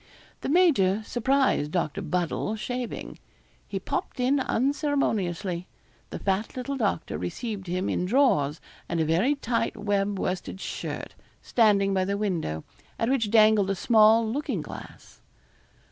The major surprised Doctor Buddle shaving. He popped in unceremoniously. The fat little doctor received him in drawers and a very tight web worsted shirt, standing by the window, at which dangled a small looking glass.